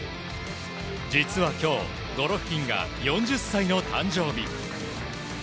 実は今日、ゴロフキンが４０歳の誕生日。